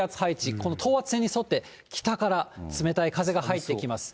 この等圧線に沿って北から冷たい風が入ってきます。